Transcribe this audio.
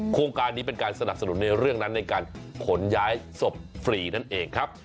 โครงการนี้เป็นการสนับสนุนในเรื่องนั้นในการขนย้ายศพฟรีนั่นเองครับ